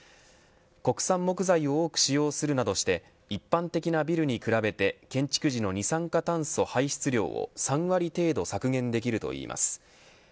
国産木材を多く使用するなどして一般的なビルに比べて建築時の二酸化炭素排出量を３割程度削減できるといいます。